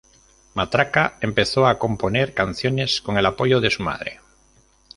Matraca empezó a componer canciones con el apoyo de su madre.